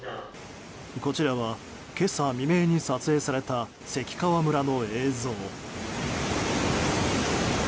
こちらは、今朝未明に撮影された関川村の映像。